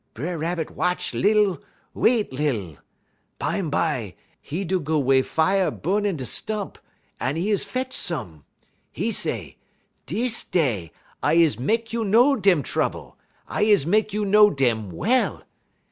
B'er Rabbit watch lil, wait lil. Bumbye, 'e do go wey fier bu'n in da' stump, un 'e is fetch some. 'E say, 'Dis day I is mek you know dem trouble; I is mek you know dem well.'